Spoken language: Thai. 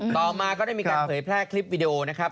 ต่อมาก็ได้มีการเผยแพร่คลิปวิดีโอนะครับ